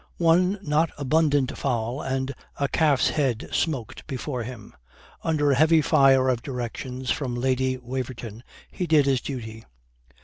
One not abundant fowl and a calf's head smoked before him. Under a heavy fire of directions from Lady Waverton he did his duty.